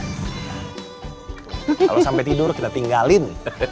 kalau sampai tidur kita tinggalin